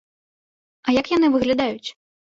А як яны выглядаюць?